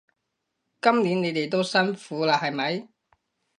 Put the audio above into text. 今年你哋都辛苦喇係咪？